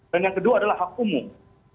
dan yang kedua adalah hak umum